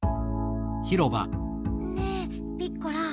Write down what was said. ねえピッコラ